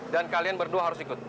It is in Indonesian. dan kalian berdua harus ikut